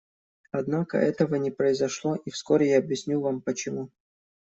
Однако этого не произошло, и вскоре я объясню вам почему.